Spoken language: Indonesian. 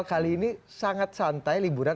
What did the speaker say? kali ini sangat santai liburan